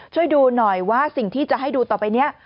ช่วยดูหน่อยว่าสิ่งที่จะให้ดูต่อไปนี้